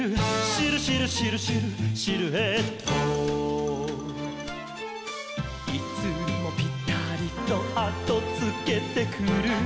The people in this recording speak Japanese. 「シルシルシルシルシルエット」「いつもぴたりとあとつけてくる」